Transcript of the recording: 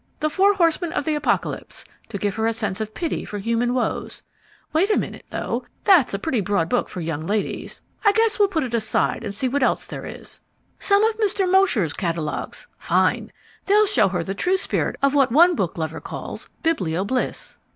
The Four Horsemen of the Apocalypse to give her a sense of pity for human woes wait a minute, though: that's a pretty broad book for young ladies. I guess we'll put it aside and see what else there is. Some of Mr. Mosher's catalogues: fine! they'll show her the true spirit of what one book lover calls biblio bliss.